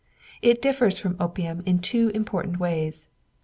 It differs from opium in two important ways.